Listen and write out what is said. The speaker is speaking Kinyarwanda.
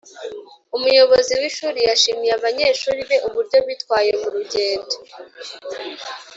Umuyobozi w ishuri yashimiye abanyeshuri be uburyo bitwaye murugendo